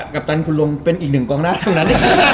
ปตันคุณลุงเป็นอีกหนึ่งกองหน้าเท่านั้น